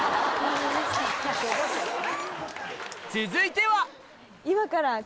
続いては！